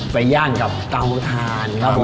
ย่างกับเตาทานครับผม